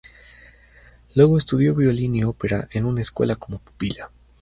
Luego estudió violín y ópera en una escuela como pupila.